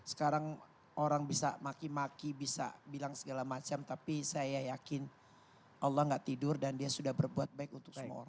sekarang orang bisa maki maki bisa bilang segala macam tapi saya yakin allah gak tidur dan dia sudah berbuat baik untuk semua orang